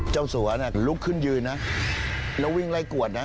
สัวน่ะลุกขึ้นยืนนะแล้ววิ่งไล่กวดนะ